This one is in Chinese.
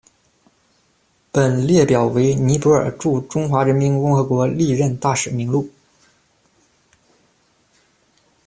本列表为尼泊尔驻中华人民共和国历任大使名录。